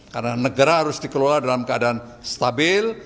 karena negara harus dikelola dalam keadaan stabil